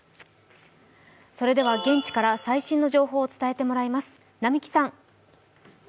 それでは現地から最新の情報を伝えてもらいます。